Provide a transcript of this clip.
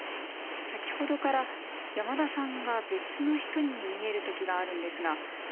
先ほどから山田さんが別の人に見える時があるんですが。